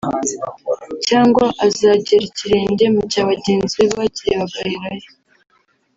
Cyangwa azagera ikirenge mu cya bagenzi be bagiye bagaherayo